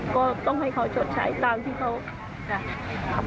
ก็ต้องให้เขาชดใช้ตามที่เขาจะทำ